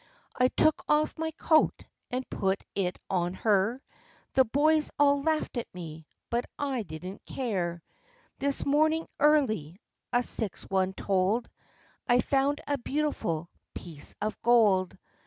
I took off my coat, and put it on her; The boys all laughed at me, but I didn't care." " This morning early," a sixth one told, "I found a beautiful piece of gold.